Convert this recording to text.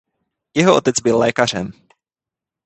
Jeho otec byl lékařem.